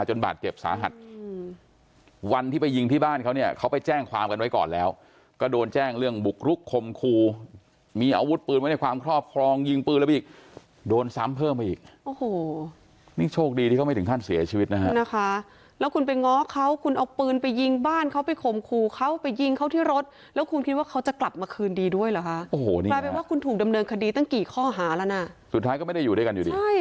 ทำเพิ่มไปอีกเนี่ยโชคดีที่เขาไม่ถึงท่านเสียชีวิตนะครับนะคะแล้วคุณไปง้อเขาคุณเอาปืนไปยิงบ้านเขาไปโขมครูเขาไปยิงเขาที่รถแล้วคุณคิดว่าเขาจะกลับมาคืนดีด้วยหรอคะ